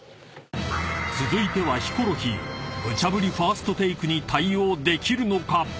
［続いてはヒコロヒー］［無茶振りファーストテイクに対応できるのか？］